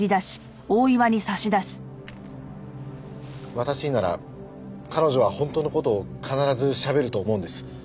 私になら彼女は本当の事を必ずしゃべると思うんです。